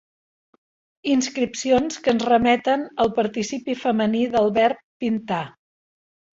Inscripcions que ens remeten al participi femení del verb pintar.